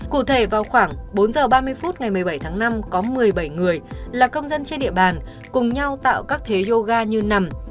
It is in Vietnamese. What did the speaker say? cụ thể vào khoảng bốn h ba mươi phút ngày một mươi bảy tháng năm có một mươi bảy người là công dân trên địa bàn cùng nhau tạo các thế yoga như nằm